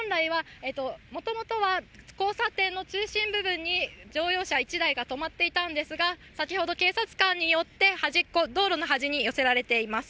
もともとは交差点の中心部分に乗用車１台が止まっていたんですが、先ほど警察官によって、道路の端に寄せられています。